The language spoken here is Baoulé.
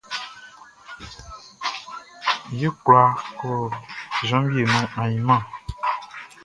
Ye kwla kɔ jenvie nuan ainman?